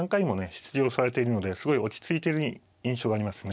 出場されているのですごい落ち着いてる印象がありますね。